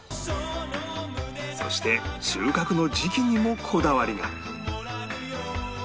そして収穫の時期にもこだわりが